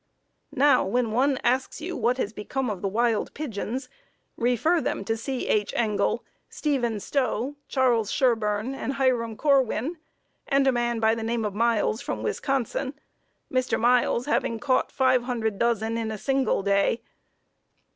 Now, when one asks you what has become of the wild pigeons, refer them to C. H. Engle, Stephen Stowe, Chas. Sherburne, and Hiram Corwin, and a man by the name of Miles from Wisconsin, Mr. Miles having caught 500 dozen in a single day.